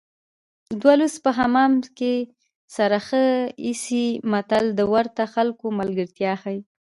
دوه لوڅ په حمام کې سره ښه ایسي متل د ورته خلکو ملګرتیا ښيي